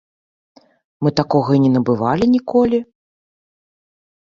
Мы такога і не набывалі ніколі!